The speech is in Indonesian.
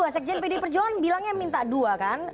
sekjen pdi perjalanan bilangnya minta dua kan